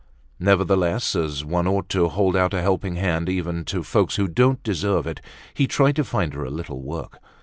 Nevertheless, as one ought to hold out a helping hand, even to folks who don't deserve it, he tried to find her a little work.